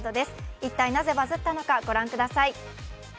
一体なぜバズったのか御覧ください。